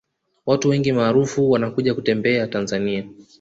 watu wengi maarufu wanakuja kutembea tanzania